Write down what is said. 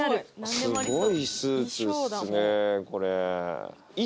すごいスーツですねこれ。